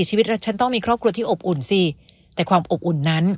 ชีวิตเราฉันต้องมีครอบครัวที่อบอุ่นสิแต่ความอบอุ่นนั้น